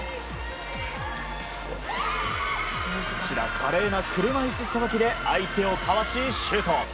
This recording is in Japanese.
華麗な車いすさばきで相手をかわし、シュート。